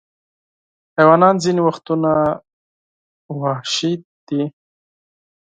حیوانات ځینې وختونه وحشي دي.